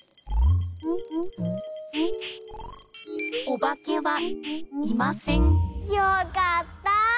おばけはいませんよかったあ！